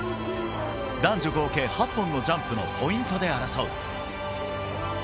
男女合計８本のジャンプのポイントで争う。